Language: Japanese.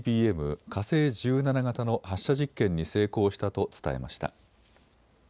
火星１７型の発射実験に成功したと伝えました。